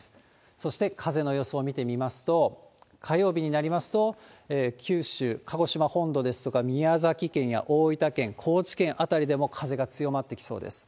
そして風の予想を見てみますと、火曜日になりますと、九州、鹿児島本土ですとか、宮崎県や大分県、高知県辺りでも風が強まってきそうです。